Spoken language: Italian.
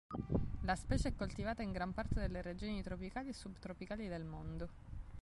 La specie è coltivata in gran parte delle regioni tropicali e subtropicali del mondo.